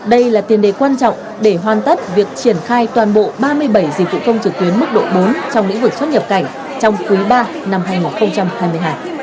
đây là tiền đề quan trọng để hoàn tất việc triển khai toàn bộ ba mươi bảy dịch vụ công trực tuyến mức độ bốn trong lĩnh vực xuất nhập cảnh trong quý ba năm hai nghìn hai mươi hai